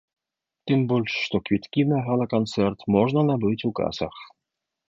Тым больш, што квіткі на гала-канцэрт можна набыць у касах.